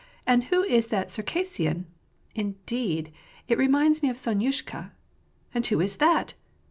and who is that Circassian ? Indeed, it reminds me of Sonyushka. And who is that